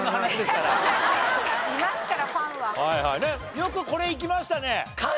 よくこれいきましたね。